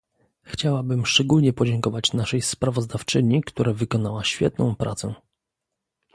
Chciałabym szczególnie podziękować naszej sprawozdawczyni, która wykonała świetną pracę